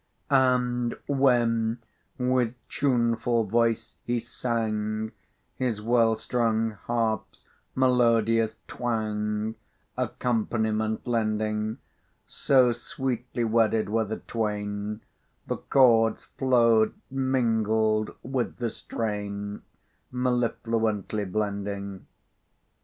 And when with tuneful voice he sang, His well strung harp's melodious twang Accompaniment lending; So sweetly wedded were the twain, The chords flowed mingled with the strain, Mellifluently blending.